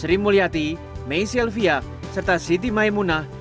seri muliati mei sjelfiak serta siti maimunah